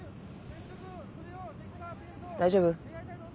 大丈夫？